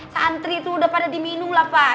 santri itu udah pada diminum lah pak